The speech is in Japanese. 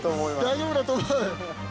大丈夫だと思う？